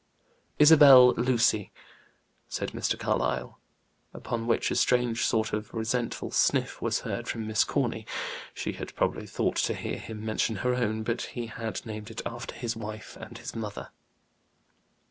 "Isabel Lucy," said Mr. Carlyle. Upon which a strange sort of resentful sniff was heard from Miss Corny. She had probably thought to hear him mention her own; but he had named it after his wife and his mother.